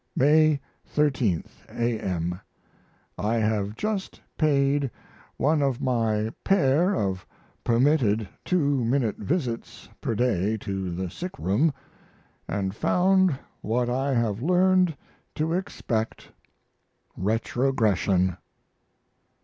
May 13, A.M. I have just paid one of my pair of permitted 2 minute visits per day to the sick room. And found what I have learned to expect retrogression.